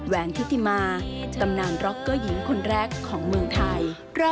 แหนทิติมาตำนานร็อกเกอร์หญิงคนแรกของเมืองไทย